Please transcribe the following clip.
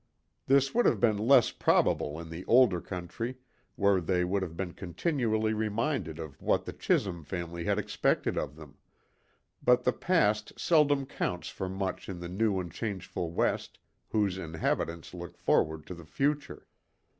This would have been less probable in the older country, where they would have been continually reminded of what the Chisholm family had expected of them; but the past seldom counts for much in the new and changeful West, whose inhabitants look forward to the future.